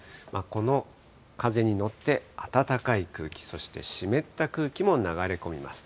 この風に乗って、暖かい空気、そして湿った空気も流れ込みます。